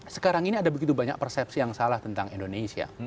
sekarang ini ada begitu banyak persepsi yang salah tentang indonesia